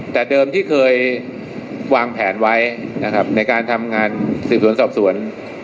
แต่เดิมที่เคยวางแผนไว้ในการทำงานศึกษวนสอบส่วน